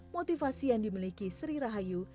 motivasi yang dimiliki sri rahayu